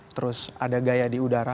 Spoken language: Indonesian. terus ada gaya di udara